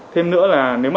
thêm nữa là nếu mà